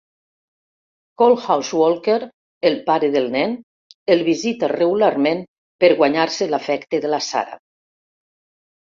Coalhouse Walker, el pare del nen, el visita regularment per guanyar-se l'afecte de la Sarah.